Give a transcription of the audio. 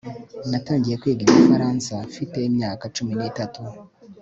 Natangiye kwiga igifaransa mfite imyaka cumi nitatu